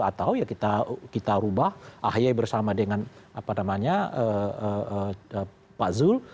atau ya kita ubah ahi bersama dengan pak zul